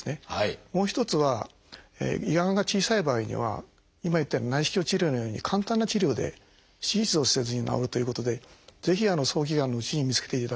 もう一つは胃がんが小さい場合には今言ったように内視鏡治療のように簡単な治療で手術をせずに治るということでぜひ早期がんのうちに見つけていただきたいと思います。